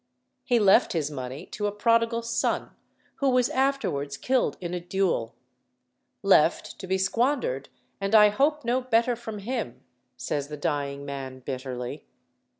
He left his money to a prodigal son, who was afterwards killed in a duel, "Left to be squandered, and I hope no better from him," says the dying man, bitterly.